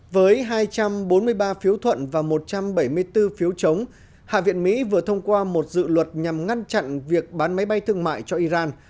với hai trăm bốn mươi ba phiếu thuận và một trăm bảy mươi bốn phiếu chống hạ viện mỹ vừa thông qua một dự luật nhằm ngăn chặn việc bán máy bay thương mại cho iran